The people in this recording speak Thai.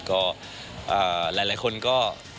ก็หลายคนก็